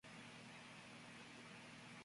Es el hermano de Joey Graham.